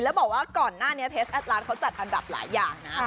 แล้วบอกว่าก่อนหน้านี้เทสแอดร้านเขาจัดอันดับหลายอย่างนะ